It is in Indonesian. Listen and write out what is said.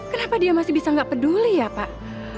kenapa dia masih bisa nggak peduli ya pak